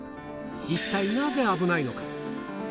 一体なぜ危ないのか。